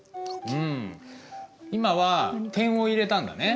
うん今は点を入れたんだね。